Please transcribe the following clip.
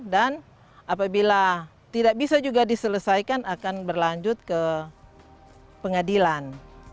dan apabila tidak bisa juga diselesaikan akan berlanjut ke pengadilan